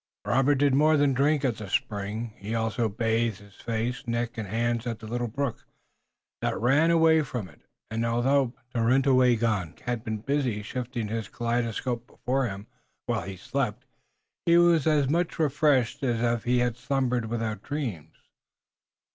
Robert did more than drink at the spring; he also bathed his face, neck and hands at the little brook that ran away from it, and although Tarenyawagon had been busy shifting his kaleidoscope before him while he slept, he was as much refreshed as if he had slumbered without dreams.